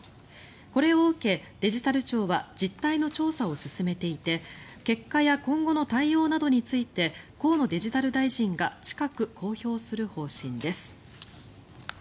これを受け、デジタル庁は実態の調査を進めていて結果や今後の対応などについて河野デジタル大臣が近く公表する方針です。